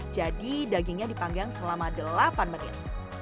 jadi dagingnya dipanggang selama delapan menit